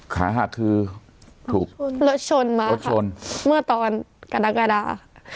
ขาหาดคือถูกรถชนมาครับเมื่อตอนกระดักกระดาษ